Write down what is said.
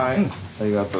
ありがとう。